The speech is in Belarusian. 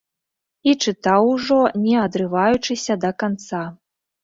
І чытаў ужо, не адрываючыся, да канца.